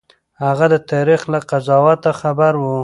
هغه د تاريخ له قضاوت خبر و.